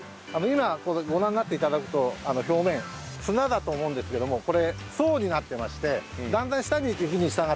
今ご覧になって頂くと表面砂だと思うんですけどもこれ層になってまして。